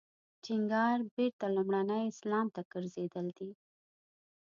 ټینګار بېرته لومړني اسلام ته ګرځېدل دی.